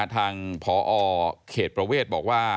ทางพอเขตประเวทบอกว่า